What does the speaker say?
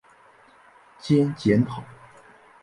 兼检讨。